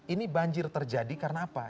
ini banjir terjadi karena apa